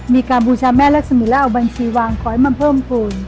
มีการบูชาแม่รักษมีแล้วเอาบัญชีวางขอให้มาเพิ่มภูมิ